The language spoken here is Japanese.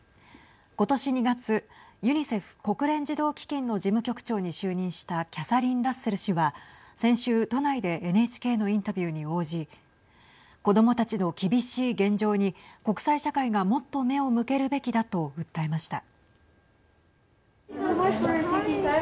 今年２月、ユニセフ＝国連児童基金の事務局長に就任したキャサリン・ラッセル氏は先週、都内でＮＨＫのインタビューに応じ子どもたちの厳しい現状に国際社会がもっと目を向けるべきだと訴えました。